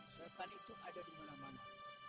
setan itu ada dimana mana